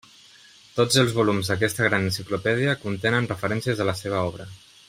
Tots els volums d'aquesta gran enciclopèdia contenen referències a la seva obra.